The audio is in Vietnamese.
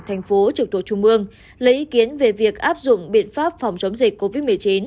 thành phố trực thuộc trung mương lấy ý kiến về việc áp dụng biện pháp phòng chống dịch covid một mươi chín